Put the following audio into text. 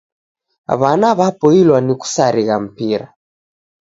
W'ana w'apoilwa ni kusarigha mpira.